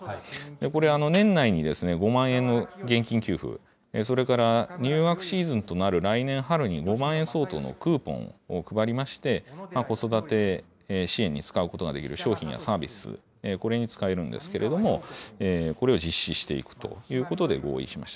これ、年内に５万円の現金給付、それから入学シーズンとなる来年春に５万円相当のクーポンを配りまして、子育て支援に使うことができる商品やサービス、これに使えるんですけれども、これを実施していくということで合意しました。